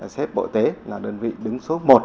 xếp bộ y tế là đơn vị đứng số một